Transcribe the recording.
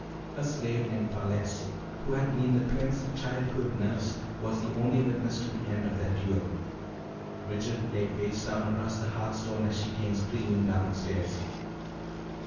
A slave named Falesse, who had been the twins' childhood nurse, was the only witness to the end of that duel. Richard lay face down across the hearth stone as she came screaming down the stairs."